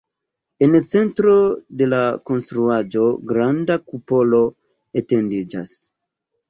En centro de la konstruaĵo granda kupolo etendiĝas.